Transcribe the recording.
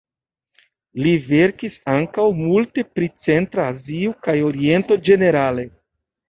Li verkis ankaŭ multe pri Centra Azio kaj Oriento ĝenerale.